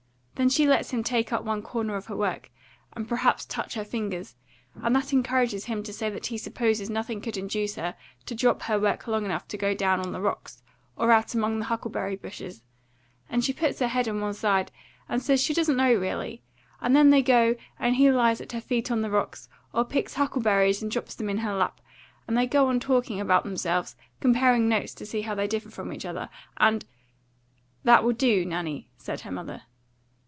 Then she lets him take up one corner of her work, and perhaps touch her fingers; and that encourages him to say that he supposes nothing could induce her to drop her work long enough to go down on the rocks, or out among the huckleberry bushes; and she puts her head on one side, and says she doesn't know really. And then they go, and he lies at her feet on the rocks, or picks huckleberries and drops them in her lap, and they go on talking about themselves, and comparing notes to see how they differ from each other. And " "That will do, Nanny," said her mother.